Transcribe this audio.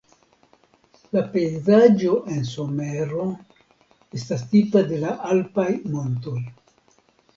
La pejzaĝo en somero estas tipa de la alpaj montoj.